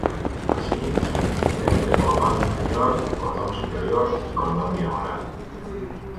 Así, se distingue entre cordón inferior, cordón superior y cordón diagonal.